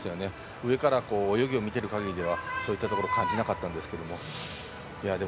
上から泳ぎを見ている限りはそういったところを感じなかったんですけれども。